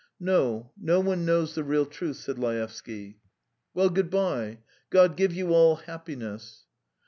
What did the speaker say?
"No, no one knows the truth," said Laevsky. "Well, good bye. ... God give you all happiness."